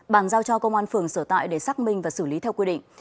bàn giao cho công an phường sở tại để xác minh và xử lý theo quy định